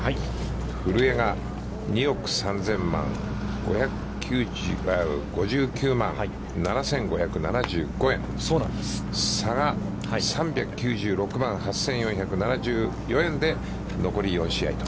古江が２億３０００万円で差が３９６万８４７４円で、残り４試合と。